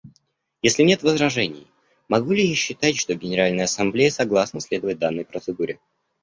Если нет возражений, могу ли я считать, что Генеральная Ассамблея согласна следовать данной процедуре?